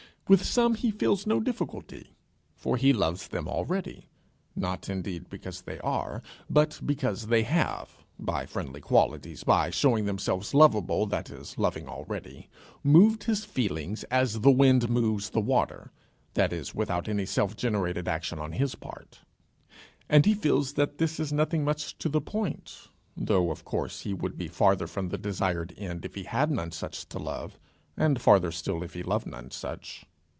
With some he feels no difficulty, for he loves them already, not indeed because they are, but because they have, by friendly qualities, by showing themselves lovable, that is loving, already, moved his feelings as the wind moves the waters, that is without any self generated action on his part. And he feels that this is nothing much to the point; though, of course, he would be farther from the desired end if he had none such to love, and farther still if he loved none such.